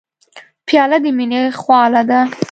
پیاله د مینې خواله ده.